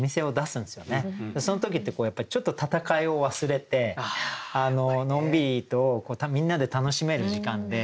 その時ってこうやっぱりちょっと戦いを忘れてのんびりとみんなで楽しめる時間で。